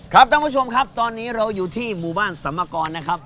ท่านผู้ชมครับตอนนี้เราอยู่ที่หมู่บ้านสัมมกรนะครับ